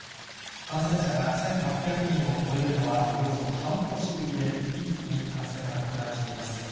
感染者が１８００人を超えるのはおよそ半年ぶりで、一気に感染が拡大しています。